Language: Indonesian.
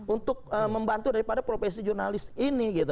untuk membantu daripada profesi jurnalis ini gitu